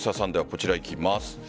こちら、いきます。